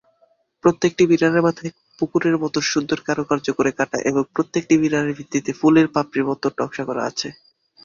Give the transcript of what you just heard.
প্রত্যেকটি মিনারের মাথায় মুকুটের মতন সুন্দর কারুকাজ করে কাটা এবং প্রত্যেক মিনারের ভিত্তিতে ফুলের পাপড়ির মতন নকশা করা আছে।